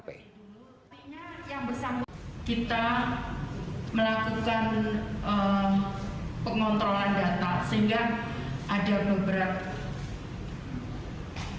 melakukan pengontrolan data sehingga ada beberapa